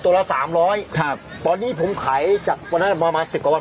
ละสามร้อยครับตอนนี้ผมขายจากวันนั้นประมาณสิบกว่าวัน